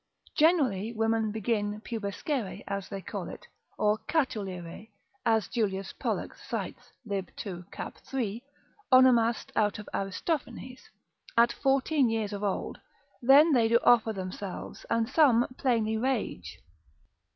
Generally women begin pubescere, as they call it, or catullire, as Julius Pollux cites, lib. 2. cap. 3. onomast out of Aristophanes, at fourteen years old, then they do offer themselves, and some plainly rage.